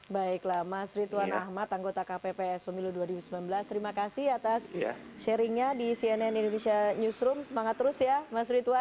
baiklah mas ritwan ahmad anggota kpps pemilu dua ribu sembilan belas terima kasih atas sharingnya di cnn indonesia newsroom semangat terus ya mas ritwan